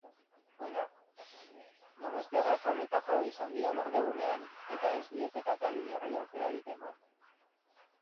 Donostiarrak jaun eta jabe izan dira berdegunean eta ez diete kataluniarrei aukerarik eman.